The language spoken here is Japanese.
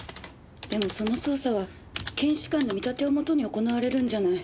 でもその捜査は検視官の見立てをもとに行われるんじゃない。